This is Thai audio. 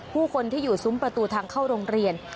ผู้คนที่อยู่ซุ้มประตูทางเข้าโรงเรียน